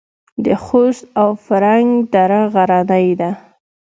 د خوست او فرنګ دره غرنۍ ده